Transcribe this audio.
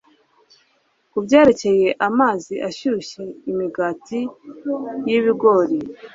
kubyerekeye amazi ashyushye imigati y'ibigori